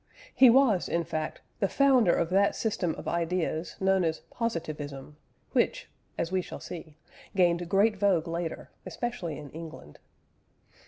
He was, in fact, the founder of that system of ideas known as Positivism, which (as we shall see) gained great vogue later, especially in England.